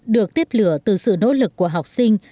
được tiếp lửa từ sự nỗ lực của học sinh